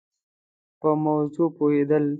په موضوع پوهېد ل